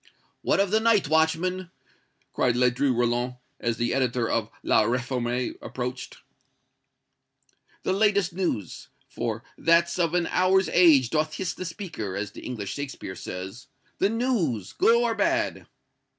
"What of the night, watchman?" cried Ledru Rollin, as the editor of "La Réforme" approached. "The latest news! for 'That of an hour's age doth hiss the speaker,' as the English Shakespeare says. The news! good or bad!"